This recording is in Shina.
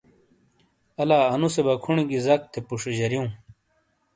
الا اَنُو سے بکھونی گی زَک تھے پُوشا جَریو۔